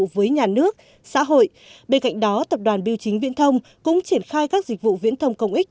với nhà nước xã hội bên cạnh đó tập đoàn biêu chính viễn thông cũng triển khai các dịch vụ viễn thông công ích